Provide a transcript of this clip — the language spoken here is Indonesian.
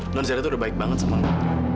nonsyara tuh udah baik banget sama lu